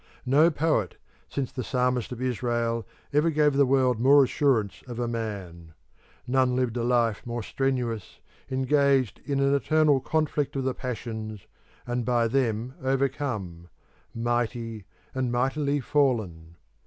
No poet, since the Psalmist of Israel, ever gave the world more assurance of a man; none lived a life more strenuous, engaged in an eternal conflict of the passions, and by them overcome 'mighty and mightily fallen.'